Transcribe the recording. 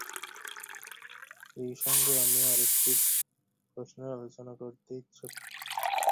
এই সঙ্গে আমি আর একটি প্রশ্নের আলোচনা করিতে ইচ্ছা করি।